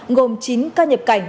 ngồm chín ca nhập cảnh